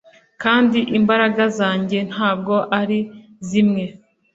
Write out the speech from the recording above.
kandi imbaraga zanjye ntabwo ari zimwe